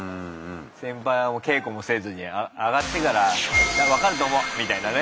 先輩は稽古もせずに上がってから分かると思うみたいなね。